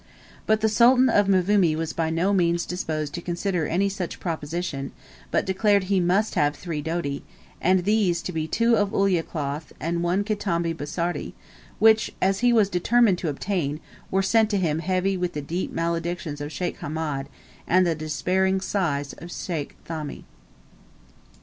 But the Sultan of Mvumi was by no means disposed to consider any such proposition, but declared he must have three doti, and these to be two of Ulyah cloth, and one Kitambi Barsati, which, as he was determined to obtain, were sent to him heavy with the deep maledictions of Sheikh Hamed and the despairing sighs of sheikh Thani.